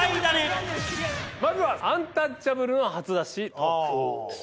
まずはアンタッチャブルの初出しトーク。